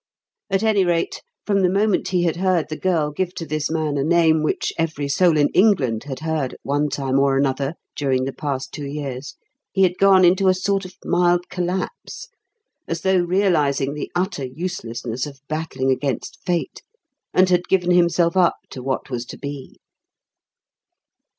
At any rate, from the moment he had heard the girl give to this man a name which every soul in England had heard at one time or another during the past two years, he had gone into a sort of mild collapse, as though realising the utter uselessness of battling against fate, and had given himself up to what was to be.